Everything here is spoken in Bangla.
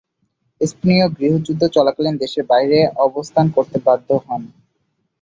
স্পেনীয় গৃহযুদ্ধ চলাকালীন দেশের বাইরে অবস্থান করতে বাধ্য হন।